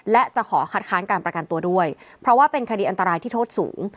และจะขอคัดค้านการประกันตัวด้วยเพราะว่าเป็นคดีอันตรายที่โทษสูง